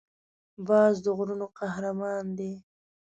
باز د غرونو قهرمان دی